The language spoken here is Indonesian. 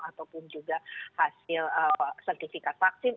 ataupun juga hasil sertifikat vaksin